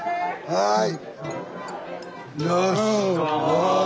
はい。